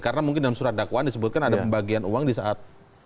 karena mungkin dalam surat dakwaan disebutkan ada pembagian uang di saat